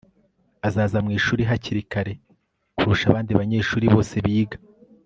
aza mwishuri hakiri kare kurusha abandi banyeshuri bose biga